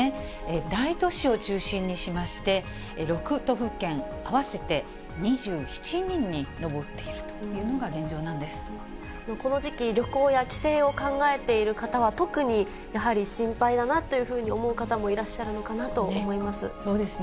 大都市を中心にしまして、６都府県、合わせて２７人に上っているこの時期、旅行や帰省を考えている方は、特にやはり心配だなというふうに思う方もいらっしゃるのかなと思そうですよね。